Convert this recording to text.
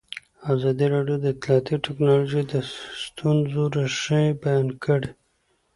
ازادي راډیو د اطلاعاتی تکنالوژي د ستونزو رېښه بیان کړې.